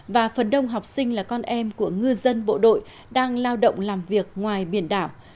và phần đông học sinh là con em của ngư dân bộ đội đang lao động làm việc ngoài biển đảo